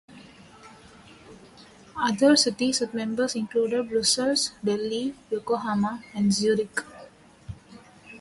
Other cities with members included Brussels, Delhi, Yokohama, and Zurich.